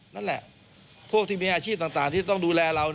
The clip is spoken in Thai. นั่นแหละพวกที่มีอาชีพต่างที่ต้องดูแลเรา